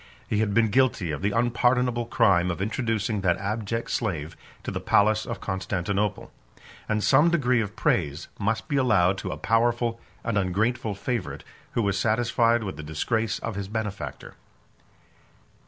He had been guilty of the unpardonable crime of introducing that abject slave to the palace of Constantinople; and some degree of praise must be allowed to a powerful and ungrateful favorite, who was satisfied with the disgrace of his benefactor.